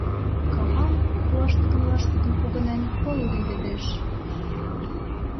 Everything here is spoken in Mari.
Кавам, лаштыкын-лаштыкын погынен, пыл леведеш.